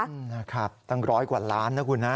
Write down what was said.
นะครับตั้งร้อยกว่าล้านนะคุณนะ